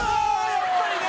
やっぱりね！